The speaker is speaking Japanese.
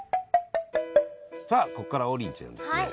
さあここからは王林ちゃんですね